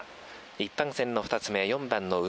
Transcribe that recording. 一般戦の２つ目４番の梅田。